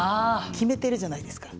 決めてるじゃないですか。